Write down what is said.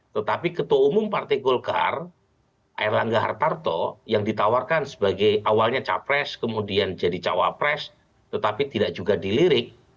tetapi ketua umum partai golkar air langga hartarto yang ditawarkan sebagai awalnya capres kemudian jadi cawapres tetapi tidak juga dilirik